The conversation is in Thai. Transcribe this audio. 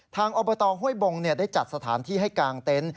อบตห้วยบงได้จัดสถานที่ให้กางเต็นต์